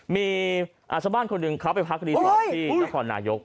มีชาวบ้านคนหนึ่งเขาไปพักรีสอร์ทที่นครนายก